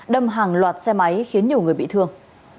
đâm hàng loạt xe máy khiến nhiều người bị thương